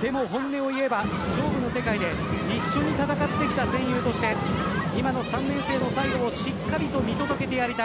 でも本音を言えば勝負の世界で一緒に戦ってきた戦友として今の３年生の最後をしっかりと見届けてやりたい。